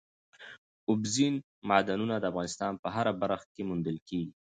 اوبزین معدنونه د افغانستان په هره برخه کې موندل کېږي.